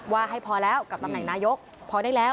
ว่าให้พอแล้วกับตำแหน่งนายกพอได้แล้ว